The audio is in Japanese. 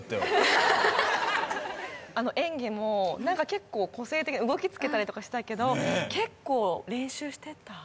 あの演技も何か結構個性的動きつけたりとかしてたけど結構練習してた？